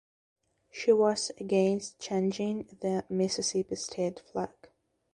She was against changing the Mississippi state flag.